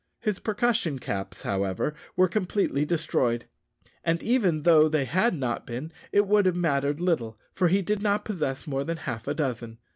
His percussion caps, however, were completely destroyed; and even though they had not been, it would have mattered little, for he did not possess more than half a dozen.